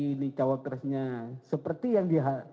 ini cowok cowoknya seperti yang